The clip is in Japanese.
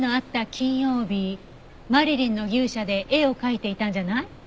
金曜日マリリンの牛舎で絵を描いていたんじゃない？